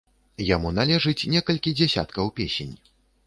Яму належыць некалькі дзясяткаў песень.